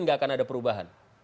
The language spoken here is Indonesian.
enggak akan ada perubahan